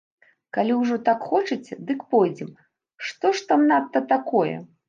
Калі ўжо так хочаце, дык пойдзем, што ж там надта такое?!